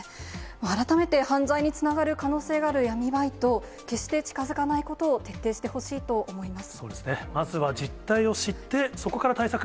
改めて犯罪につながる可能性がある闇バイト、決して近づかないことを徹底してほしいと思います。